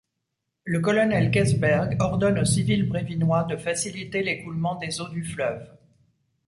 Le colonel Kässberg ordonne aux civils brévinois de faciliter l'écoulement des eaux du fleuve.